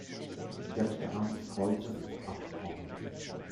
Der rechte Arm des Kreuzes ist abgebrochen.